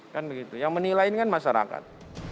kan begitu yang menilai ini kan masyarakat